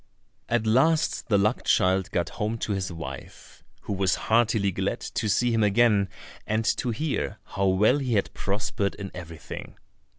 At last the luck child got home to his wife, who was heartily glad to see him again, and to hear how well he had prospered in everything.